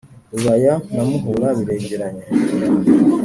rubaya na muhura biregeranye